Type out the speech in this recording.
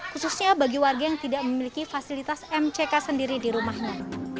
khususnya bagi warga yang tidak memiliki fasilitas mck sendiri di rumahnya